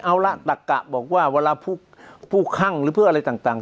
เอาละตักกะบอกว่าเวลาผู้คั่งหรือเพื่ออะไรต่าง